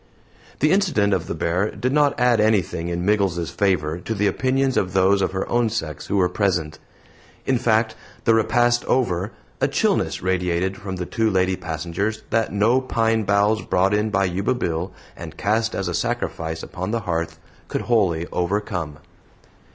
The incident of the bear did not add anything in Miggles's favor to the opinions of those of her own sex who were present. In fact, the repast over, a chillness radiated from the two lady passengers that no pine boughs brought in by Yuba Bill and cast as a sacrifice upon the hearth could wholly overcome.